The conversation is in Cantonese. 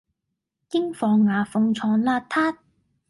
應防牙縫藏邋遢